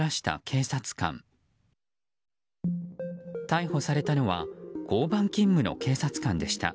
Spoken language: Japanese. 逮捕されたのは交番勤務の警察官でした。